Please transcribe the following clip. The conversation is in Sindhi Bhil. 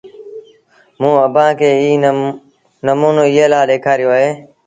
موٚنٚ اڀآنٚ کي ايٚ نموݩو ايٚئي لآ ڏيکآريو اهي